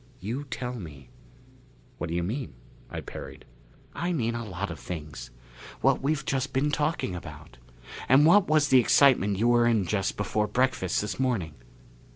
You tell me." "What do you mean?" I parried. "I mean a lot of things. What we've just been talking about. And what was the excitement you were in just before breakfast this morning?"